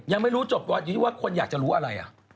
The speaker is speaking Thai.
ยังไม่รู้จบวันที่ว่าคนอยากจะรู้อะไร